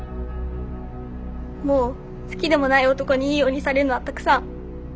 もう好きでもない男にいいようにされるのはたくさん。